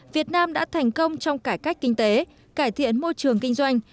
việt nam đã thành công trong cải cách kinh tế cải thiện môi trường kinh doanh